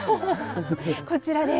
こちらです。